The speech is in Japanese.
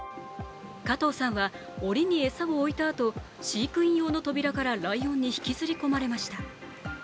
加藤さんはおりに餌を置いたあと飼育員用の扉からライオンに引きずり込まれました。